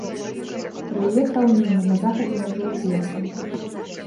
Рэльеф раўніны, на захадзе мяжуе з лесам.